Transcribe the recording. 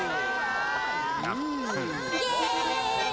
イエーイ！